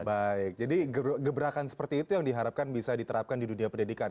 baik jadi gebrakan seperti itu yang diharapkan bisa diterapkan di dunia pendidikan